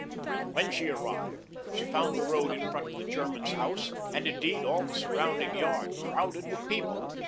When she arrived, she found the road in front of the German's house, and, indeed, all the surrounding yard, crowded with people.